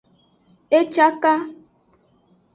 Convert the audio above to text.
E caka.